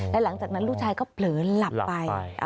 และหลังจากนั้นลูกชายก็เผลอหลับไป